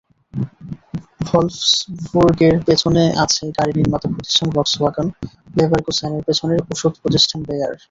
ভলফসবুর্গের পেছনে আছে গাড়িনির্মাতা প্রতিষ্ঠান ভক্সওয়াগন, লেভারকুসেনের পেছনে ওষুধ প্রতিষ্ঠান বেয়ার।